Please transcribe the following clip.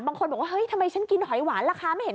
บางคนบอกว่าทำไมฉันกินหอยหวาน